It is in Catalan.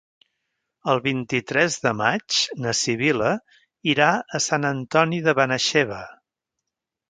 El vint-i-tres de maig na Sibil·la irà a Sant Antoni de Benaixeve.